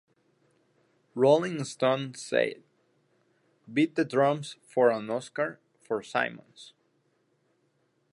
"Rolling Stone" said "Beat the drums for an Oscar for Simmons.